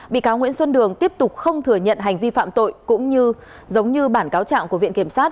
bị cáo nguyễn xuân đường tiếp tục không thừa nhận hành vi phạm tội cũng như giống như bản cáo trạng của viện kiểm sát